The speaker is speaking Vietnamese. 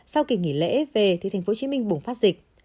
sau kỳ nghỉ lễ về thì tp hcm bùng phát dịch